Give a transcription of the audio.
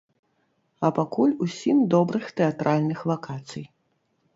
А пакуль усім добрых тэатральных вакацый!